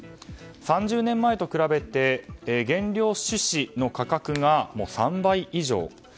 ３０年前と比べて原料種子の価格が３倍以上。